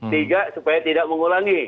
tiga supaya tidak mengulangi